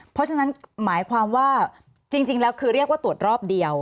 เพราะฉะนั้นหมายความว่าจริงแล้วคือเรียกว่าตรวจรอบเดียว